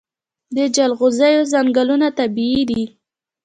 د جلغوزیو ځنګلونه طبیعي دي؟